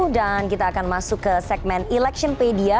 dan kita akan masuk ke segmen electionpedia